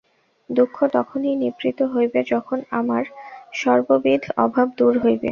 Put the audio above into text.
দুঃখ তখনই নিবৃত্ত হইবে, যখন আমার সর্ববিধ অভাব দূর হইবে।